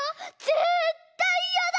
ぜったいいやだ！